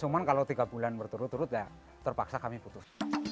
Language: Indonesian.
cuma kalau tiga bulan berturut turut ya terpaksa kami putus